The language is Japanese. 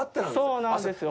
そうなんですよ。